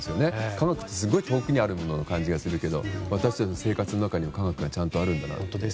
科学ってすごく遠くにあるものに感じるけど私たちの生活の中にもちゃんと科学があるんだなと。